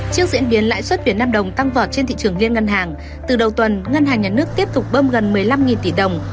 trước diễn biến lãi suất việt nam đồng tăng vọt trên thị trường liên ngân hàng từ đầu tuần ngân hàng nhà nước tiếp tục bơm gần một mươi năm tỷ đồng